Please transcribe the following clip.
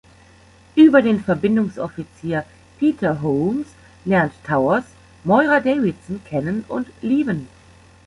Über den Verbindungsoffizier Peter Holmes lernt Towers Moira Davidson kennen und lieben.